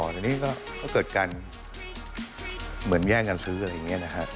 แต่นี่ก็เกิดการเหมือนแย่งกันซื้ออะไรอย่างนี้นะฮะ